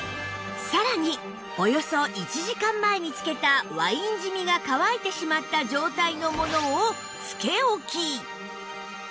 さらにおよそ１時間前に付けたワイン染みが乾いてしまった状態のものをつけ置き